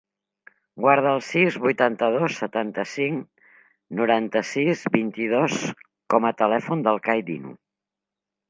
Guarda el sis, vuitanta-dos, setanta-cinc, noranta-sis, vint-i-dos com a telèfon del Cai Dinu.